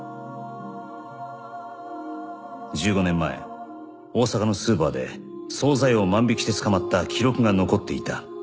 １５年前大阪のスーパーで総菜を万引きして捕まった記録が残っていた